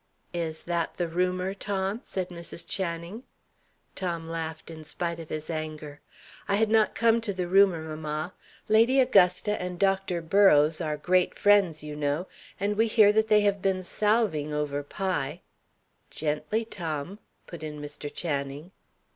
"Is that the rumour, Tom?" said Mrs. Channing. Tom laughed, in spite of his anger. "I had not come to the rumour, mamma. Lady Augusta and Dr. Burrows are great friends, you know; and we hear that they have been salving over Pye " "Gently, Tom!" put in Mr. Channing.